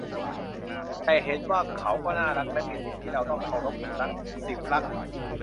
แต่เห็นว่าเขาก็น่ารักและมีสิทธิ์ที่เราต้องเคารพ-สุลักษณ์ ศิวรักษ์